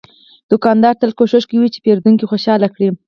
دوکاندار تل کوشش کوي چې پیرودونکی خوشاله کړي.